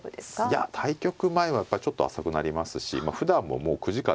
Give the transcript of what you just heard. いや対局前はやっぱりちょっと浅くなりますしふだんももう９時間寝れないですよ。